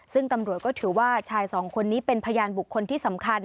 ซึ่งตำรวจก็ถือว่าชายสองคนนี้เป็นพยานบุคคลที่สำคัญ